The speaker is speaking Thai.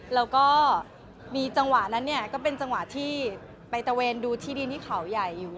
แล้วก็มีจังหวะนั้นเนี่ยก็เป็นจังหวะที่ไปตะเวนดูที่ดินที่เขาใหญ่อยู่